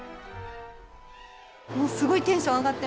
もうすごいテンション上がっ